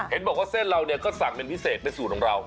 เห็นบอกว่าเส้นเราเนี่ยก็สั่งเป็นพิเศษเป็นสูตรของเรา